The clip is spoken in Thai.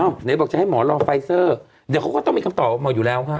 อ้าวเดี๋ยวบอกจะให้หมอรอไฟเซอร์เดี๋ยวเขาก็ต้องมีคำตอบมาอยู่แล้วค่ะ